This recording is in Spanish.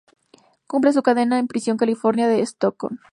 Cumple su condena en la prisión californiana de Stockton.